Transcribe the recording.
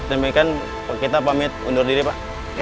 demikian kita pamit undur diri pak